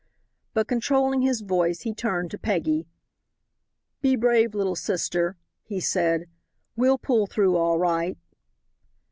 But controlling his voice, he turned to Peggy. "Be brave, little sister," he said; "we'll pull through all right."